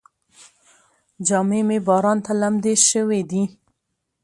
جامې مې باران ته لمدې شوې دي.